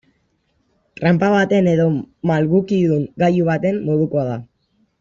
Tranpa baten edo malgukidun gailu baten modukoa da.